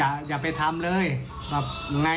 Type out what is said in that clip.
แบบยังไงอ่ะผมก็โดนมาแล้วเนี่ย